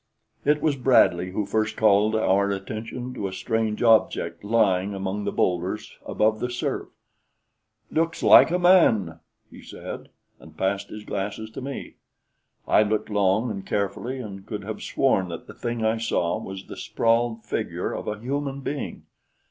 It was Bradley who first called our attention to a strange object lying among the boulders above the surf. "Looks like a man," he said, and passed his glasses to me. I looked long and carefully and could have sworn that the thing I saw was the sprawled figure of a human being.